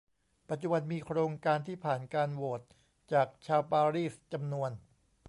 ปัจจุบันมีโครงการที่ผ่านการโหวตจากชาวปารีสจำนวน